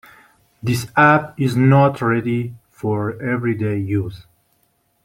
This app is not ready for everyday use.